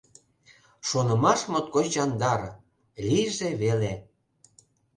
Шонымаш моткоч яндар, лийже веле...